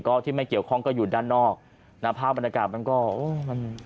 ก็ที่ไม่เกี่ยวข้องก็อยู่ด้านนอกนะภาพบรรยากาศมันก็โอ้มัน